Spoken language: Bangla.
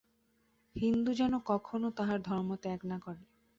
হিন্দু যেন কখনও তাহার ধর্ম ত্যাগ না করে।